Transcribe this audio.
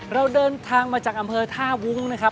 เราเดินทางมาจากอำเภอท่าวุ้งนะครับ